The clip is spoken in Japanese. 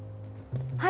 はい。